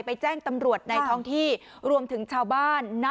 แจ้งตำรวจในท้องที่รวมถึงชาวบ้าน